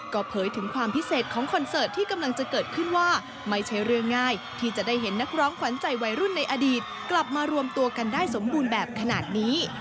ก็เผยถึงความพิเศษของคอนเสิร์ตที่กำลังจะเกิดขึ้นว่าไม่ใช่เรื่องง่ายที่จะได้เห็นนักร้องขวัญใจวัยรุ่นในอดีตกลับมารวมตัวกันได้สมบูรณ์แบบขนาดนี้